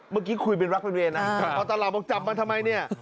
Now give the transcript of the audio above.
เมื่อกี้คุยเป็นรักเป็นเวรนะพอตลาดบอกจับมาทำไมเนี่ย